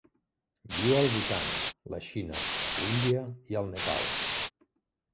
Viu al Bhutan, la Xina, l'Índia i el Nepal.